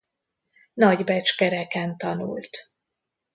Nagybecskereken tanult.